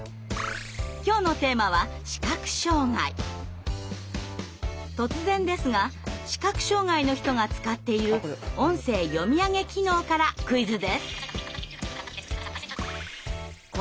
きょうのテーマは突然ですが視覚障害の人が使っている「音声読み上げ機能」からクイズです。